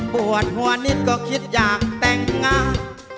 ปวดหัวนิดก็คิดอยากแต่งงาน